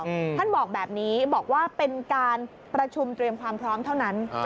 ท่านบอกแบบนี้บอกว่าเป็นการประชุมเตรียมความพร้อมเท่านั้นอ่า